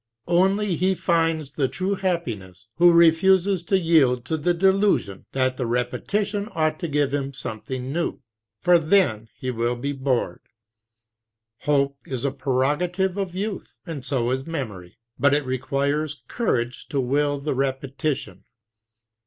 Only he finds a true happiness who refuses to yield to the delusion that the repetition ought to give him something new; for then he will be bored. Hope is a prerogative of youth, and so is memory; but it re quires courage to will the repetition.